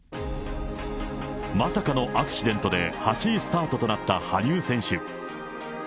まさかのアクシデントで、８位スタートとなった羽生選手。